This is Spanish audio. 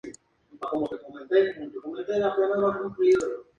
Estas cosas contribuyeron a crear su mito de hombre huraño.